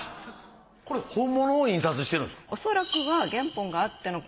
これ本物を印刷してるんですか？